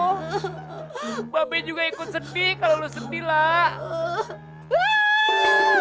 mbak be juga ikut sedih kalau lo sedih lah